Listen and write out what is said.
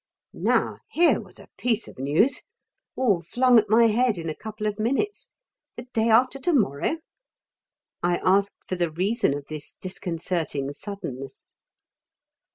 Now here was a piece of news, all flung at my head in a couple of minutes. The day after to morrow! I asked for the reason of this disconcerting suddenness.